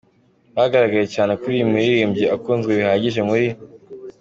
Byagaragaye cyane ko uyu muririmbyi akunzwe bihagije muri.